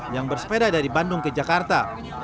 yang bersepeda dari bandung ke jakarta